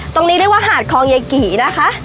ตรงนี้เรียกว่าหาดคลองยายกี่นะคะ